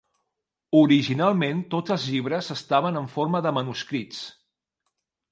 Originalment, tots els llibres estaven en forma de manuscrits.